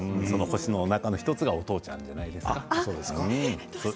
星の中の１つがお父ちゃんなんじゃないですか。